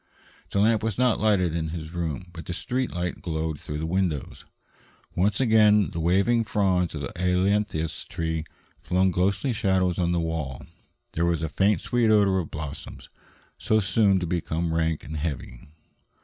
The lamp was not lighted in his room, but the street light glowed through the windows. Once again the waving fronds of the ailanthus tree flung ghostly shadows on the walls. There was a faint sweet odor of blossoms, so soon to become rank and heavy.